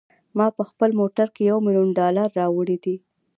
ما په خپل موټر کې یو میلیون ډالره راوړي دي.